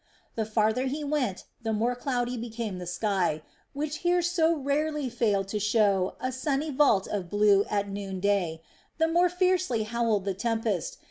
The farther he went, the more cloudy became the sky, which here so rarely failed to show a sunny vault of blue at noonday, the more fiercely howled the tempest.